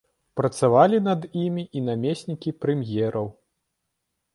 Працавалі над імі і намеснікі прэм'ераў.